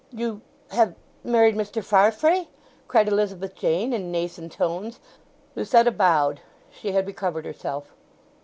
"You—have—married Mr. Farfrae!" cried Elizabeth Jane, in Nathan tones Lucetta bowed. She had recovered herself.